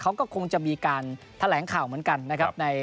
เขาก็คงจะมีการแถลงข่าวเหมือนกันนะครับ